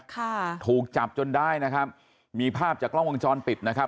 ค่ะถูกจับจนได้นะครับมีภาพจากกล้องวงจรปิดนะครับ